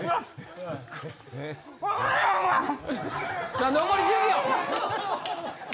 さぁ残り１０秒。